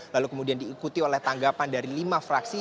lalu kemudian diikuti oleh tanggapan dari lima fraksi